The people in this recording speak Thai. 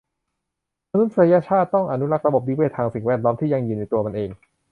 มนุษยชาติต้องอนุรักษ์ระบบนิเวศน์ทางสิ่งแวดล้อมที่ยั่งยืนในตัวมันเอง